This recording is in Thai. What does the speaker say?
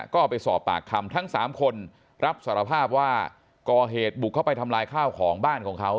ก็ไปสอบปากคำทั้ง๓คนรับสารภาพว่าก่อเหตุบุกเข้าไปทำลายข้าวของบ้านของเขา